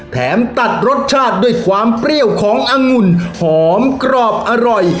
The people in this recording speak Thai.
ตัดรสชาติด้วยความเปรี้ยวของอังุ่นหอมกรอบอร่อย